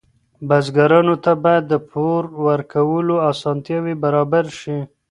بزګرانو ته باید د پور ورکولو اسانتیاوې برابرې شي.